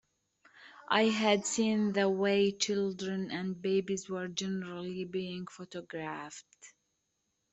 "I had seen the way children and babies were generally being photographed.